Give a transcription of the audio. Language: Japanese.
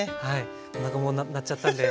おなかも鳴っちゃったんで。